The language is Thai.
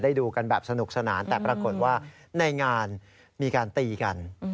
ดูกันแบบสนุกสนานแต่ปรากฏว่าในงานมีการตีกัน